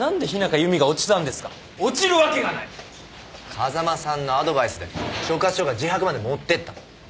風間さんのアドバイスで所轄署が自白まで持ってった。